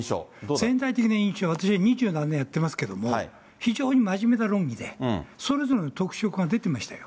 潜在的な印象、私は二十何年やってますけど、非常にまじめな論議で、それぞれの特色が出てましたよ。